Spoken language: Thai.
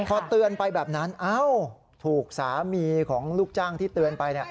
พอเตือนไปแบบนั้นถูกสามีของลูกจ้างที่เตือนไป